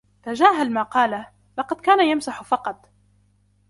تجاهل ما قاله. لقد كان يمزح فقط.